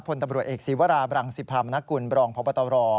พลตำรวจเอกศีวราบรังสิพรามนกุลบรองพบตร